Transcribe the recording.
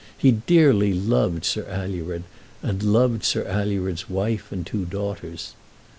He dearly loved Sir Alured, and loved Sir Alured's wife and two daughters.